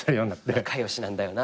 仲良しなんだよな。